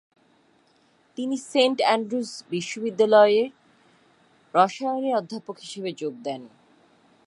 তিনি saint Andrews বিশ্ববিদ্যালয়ে রসায়নের অধ্যাপক হিসেবে যোগ দেন।